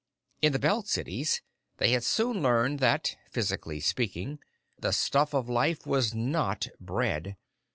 In the Belt cities, they had soon learned that, physically speaking, the stuff of life was not bread.